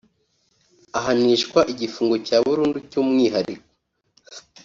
ahanishwa igifungo cya burundu cy’umwihariko